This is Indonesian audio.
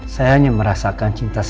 saya hanya merasakan cinta sejati itu